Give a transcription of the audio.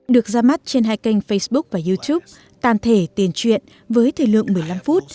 được ra mắt trên hai kênh facebook và youtube tàn thể tiền chuyện với thời lượng một mươi năm phút